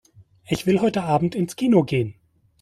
Ich will heute Abend ins Kino gehen.